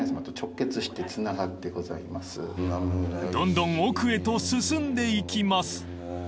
［どんどん奥へと進んでいきます］